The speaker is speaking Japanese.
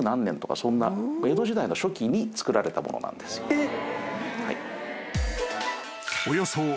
えっ！